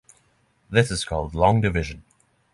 This is called long division.